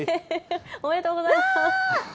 おめでとうございます。